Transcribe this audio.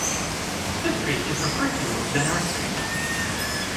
This trait is referred to as "xenarthry".